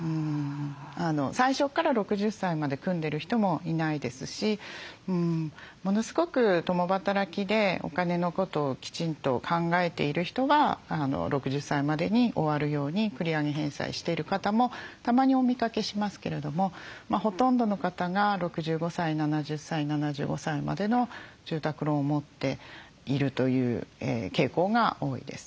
最初から６０歳まで組んでる人もいないですしものすごく共働きでお金のことをきちんと考えている人は６０歳までに終わるように繰り上げ返済している方もたまにお見かけしますけれどもほとんどの方が６５歳７０歳７５歳までの住宅ローンを持っているという傾向が多いです。